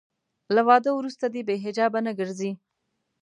له واده وروسته دې بې حجابه نه ګرځي.